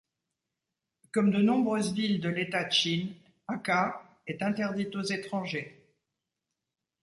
Comme de nombreuses villes de l'État Chin, Hakha est interdite aux étrangers.